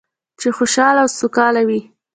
چې خوشحاله او سوکاله وي.